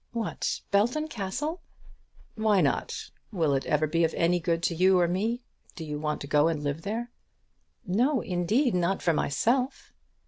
"What, Belton Castle?" "Why not? Will it ever be of any good to you or me? Do you want to go and live there?" "No, indeed; not for myself."